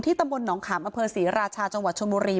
ที่ตำรวจน้องขามอศรีราชาจชนมุรี